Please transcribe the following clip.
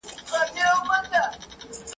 په ټولۍ کي به د زرکو واویلا وه ..